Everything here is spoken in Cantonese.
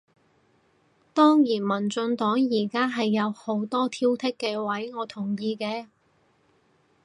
當然民進黨而家係有好多挑剔嘅位，我同意嘅